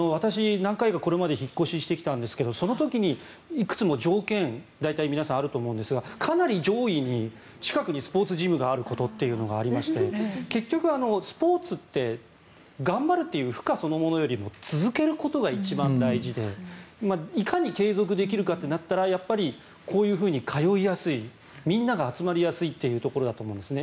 私、これまで何回か引っ越ししてきたんですがその時にいくつも条件大体、皆さんあると思うんですがかなり上位に近くにスポーツジムがあることというのがありまして結局、スポーツって頑張るという負荷そのものよりも続けることが一番大事でいかに継続できるかとなったらこういうふうに通いやすいみんなが集まりやすいというところだと思うんです。